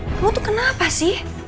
kamu tuh kenapa sih